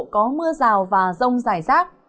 có mưa rào và rông rải rác